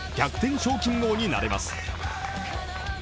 賞金王になれます。